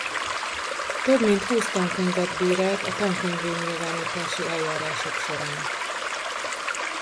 Több mint húsz tankönyvet bírált a tankönyvvé nyilvánítási eljárások során.